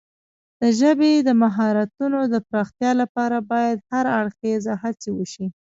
د ژبې د مهارتونو د پراختیا لپاره باید هر اړخیزه هڅې وشي.